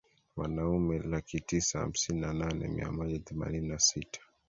Wanaume laki tisa hamsini na nane mia moja themanini na sita